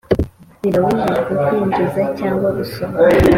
Birabujijwe kwinjiza cyangwa gusohora